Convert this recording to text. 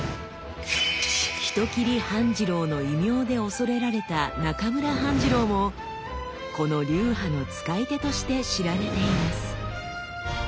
人斬り半次郎の異名で恐れられた中村半次郎もこの流派の使い手として知られています。